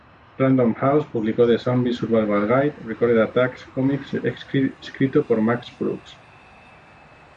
Random House publicó The Zombie Survival Guide: Recorded Attacks cómic escrito por Max Brooks.